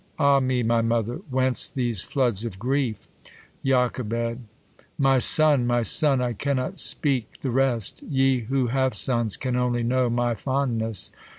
Ah me, my mother! v/hene^ these flc of grief ? Joch* My son ! ray son ! I cannot speak the res^ Yg who have sons can only know my fondness